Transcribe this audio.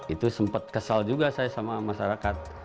itu sempat kesal juga saya sama masyarakat